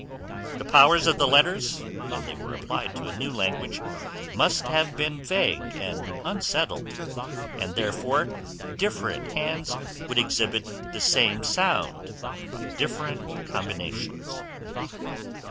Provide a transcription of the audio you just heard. The powers of the letters, when they were applied to a new language, must have been vague and unsettled, and therefore different hands would exhibit the same sound by different combinations.